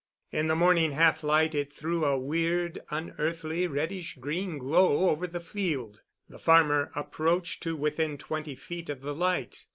In the morning half light it threw a weird, unearthly reddish green glow over the field. The farmer approached to within twenty feet of the light.